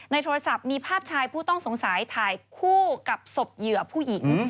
โทรศัพท์มีภาพชายผู้ต้องสงสัยถ่ายคู่กับศพเหยื่อผู้หญิง